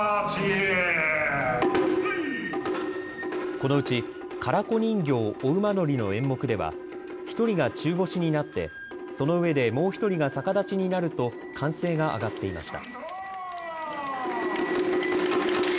このうち唐子人形お馬乗りの演目では１人が中腰になってその上でもう１人が逆立ちになると歓声が上がっていました。